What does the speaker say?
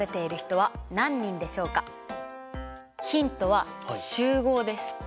ヒントは「集合」です。